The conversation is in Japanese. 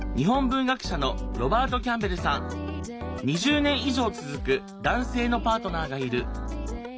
２０年以上続く男性のパートナーがいる。